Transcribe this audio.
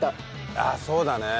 ああそうだね。